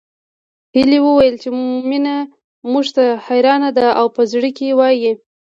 هيلې وويل چې مينه موږ ته حيرانه ده او په زړه کې وايي